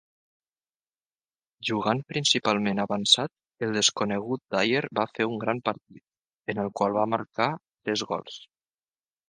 Jugant principalment avançat, el desconegut Dyer va fer un gran partit, en el qual va marcar tres gols.